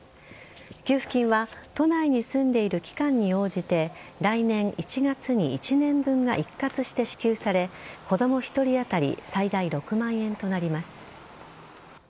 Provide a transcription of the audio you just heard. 給付金は都内に住んでいる期間に応じて来年１月に１年分が一括して支給され子供１人当たり最大６万円となります。